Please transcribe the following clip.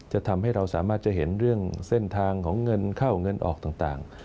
จะทำให้เราสามารถจะเห็นเรื่องเส้นทางของเงินเข้าเงินออกต่าง